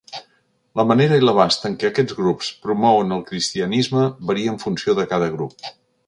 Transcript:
La manera i l'abast en què aquests grups promouen el cristianisme varia en funció de cada grup.